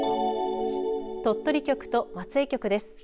鳥取局と松江局です。